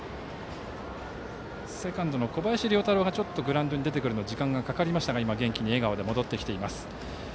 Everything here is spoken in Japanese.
セカンドの小林遼太郎がグラウンドに出てくるのに時間がかかりましたが元気に戻ってきています。